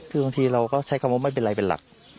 คือบางทีเราก็ใช้คำว่าไม่เป็นไรเป็นหลัก